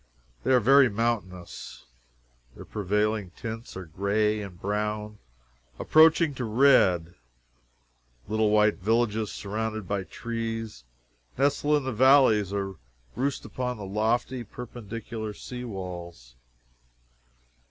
They are very mountainous. Their prevailing tints are gray and brown, approaching to red. Little white villages surrounded by trees, nestle in the valleys or roost upon the lofty perpendicular sea walls.